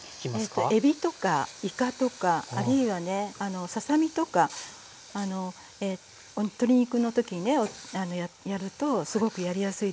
えとエビとかイカとかあるいはねささみとか鶏肉のときにねやるとすごくやりやすいです。